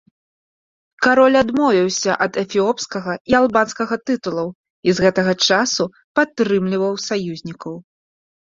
Кароль адмовіўся ад эфіопскага і албанскага тытулаў і з гэтага часу падтрымліваў саюзнікаў.